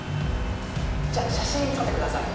じゃあ、写真を撮ってください。